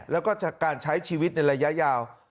แล้วก็จากการใช้ชีวิตในระยะยาว